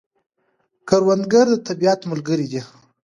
کروندګر د طبیعت ملګری دی